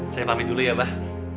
saya pamit dulu ya bah